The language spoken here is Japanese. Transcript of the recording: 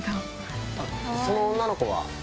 その女の子は？